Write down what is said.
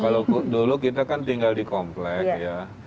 kalau dulu kita kan tinggal di komplek ya